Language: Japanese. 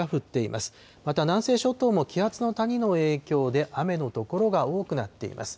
また南西諸島も気圧の谷の影響で、雨の所が多くなっています。